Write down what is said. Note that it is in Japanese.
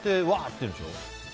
ってやるんでしょ。